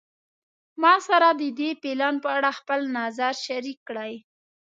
ما سره د دې پلان په اړه خپل نظر شریک کړی